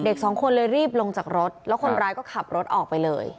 สองคนเลยรีบลงจากรถแล้วคนร้ายก็ขับรถออกไปเลย